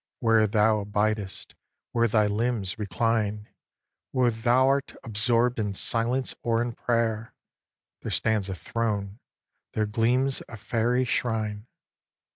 Where thou abidest, where thy limbs recline, Where thou'rt absorb'd in silence or in prayer, There stands a throne, there gleams a fairy shrine.